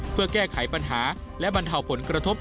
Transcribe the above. เพื่อแก้ไขปัญหาและบรรเทาผลกระทบ